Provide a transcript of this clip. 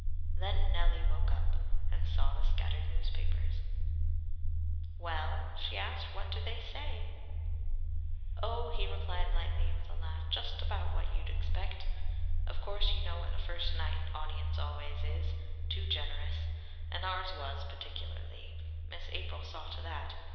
Then Nellie woke up, and saw the scattered newspapers. "Well," she asked; "what do they say?" "Oh!" he replied lightly, with a laugh. "Just about what you'd expect. Of course you know what a first night audience always is. Too generous. And ours was, particularly. Miss April saw to that.